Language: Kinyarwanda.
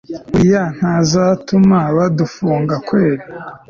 buriya ntazatuma badufunga kweli!